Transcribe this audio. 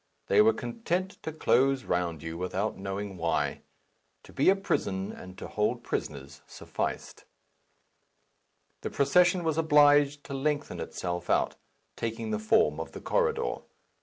They were content to close round you without knowing why. To be a prison, and to hold prisoners, sufficed. The procession was obliged to lengthen itself out, taking the form of the corridor.